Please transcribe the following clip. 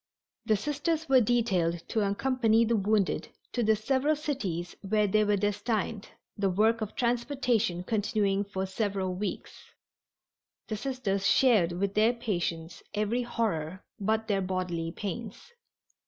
The Sisters were detailed to accompany the wounded to the several cities where they were destined, the work of transportation continuing for several weeks. The Sisters shared with their patients every horror but their bodily pains.